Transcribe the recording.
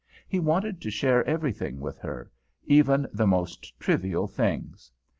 He wanted to share everything with her, even the most trivial things.